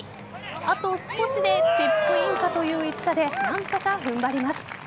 あと少しでチップインかという１打で何とか踏ん張ります。